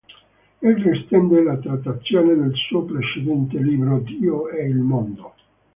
Egli estende la trattazione del suo precedente libro "Dio e il mondo".